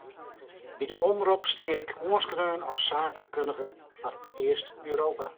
By de omrop stie ik oanskreaun as saakkundige foar East-Europa.